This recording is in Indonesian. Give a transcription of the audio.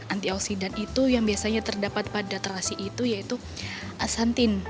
antioksidan itu yang biasanya terdapat pada terasi itu yaitu asantin